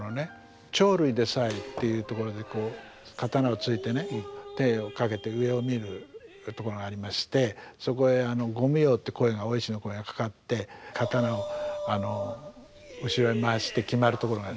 「鳥類でさえ」っていうところでこう刀をついてね手を掛けて上を見るところがありましてそこへ「御無用」ってお石の声がかかって刀を後ろへ回して決まるところがある。